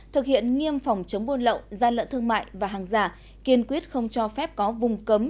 thực hiện nghiêm phòng chống buôn lậu gian lận thương mại và hàng giả kiên quyết không cho phép có vùng cấm